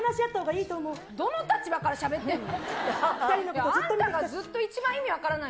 どの立場からしゃべってんの？